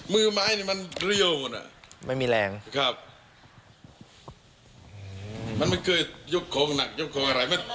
มือไม้นี่มันเรี่ยวหมดอ่ะไม่มีแรงครับมันไม่เคยยกโครงหนักยกโครงอะไรไหม